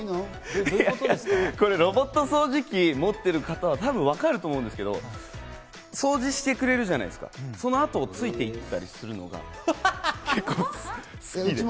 これロボット掃除機、持ってる方は多分わかると思うんですけど、掃除してくれるじゃないですか、そのあとをついて行ったりするのが結構好きで。